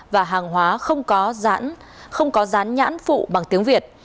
và hàng hóa không có rán nhãn phụ bằng tiếng việt